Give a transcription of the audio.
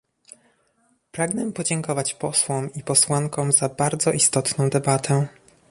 Pragnę podziękować posłom i posłankom za bardzo istotną debatę